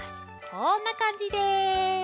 こんなかんじです。